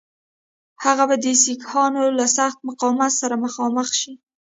هغه به د سیکهانو له سخت مقاومت سره مخامخ شي.